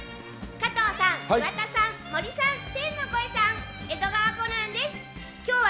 加藤さん、岩田さん、森さん、天の声さん、江戸川コナンです。